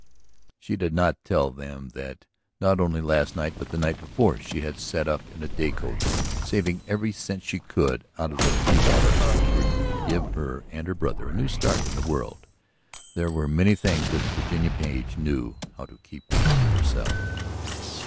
She did not tell them that not only last night, but the night before she had sat up in a day coach, saving every cent she could out of the few dollars which were to give her and her brother a new start in the world; there were many things which Virginia Page knew how to keep to herself.